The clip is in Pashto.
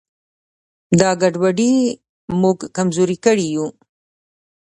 دا ګډوډي موږ کمزوري کړي یو.